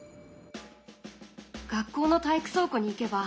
学校の体育倉庫に行けば。